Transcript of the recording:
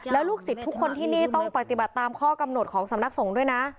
แล้วลูกศิษย์ทุกคนที่นี่ต้องปฏิบัติตามข้อกำหนดของสำนักสงฆ์ด้วยนะ